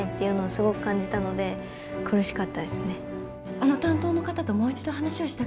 あの担当の方ともう一度話をしたくて。